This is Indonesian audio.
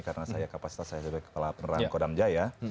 karena saya kapasitas saya sebagai kepala peneran kodam jaya